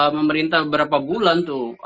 memerintah berapa bulan